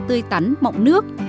tươi tắn mọng nước